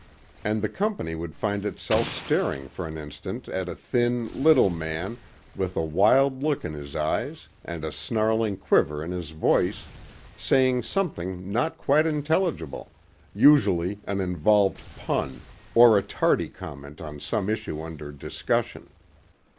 And the company would find itself staring for an instant at a thin, little man with a wild look in his eyes and a snarling quiver in his voice, saying something not quite intelligible usually an involved pun or a tardy comment on some issue under discussion.